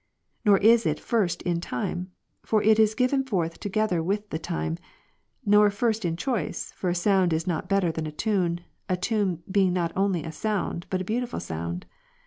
Nor is it first in time; for it is given forth together with the tune ; nor first in choice, for a sound is not better than a tune, a tune being not only a sound, but a beautiful sound.